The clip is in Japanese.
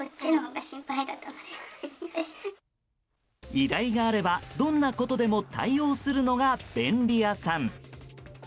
依頼があれば、どんなことでも対応するのが便利屋さん。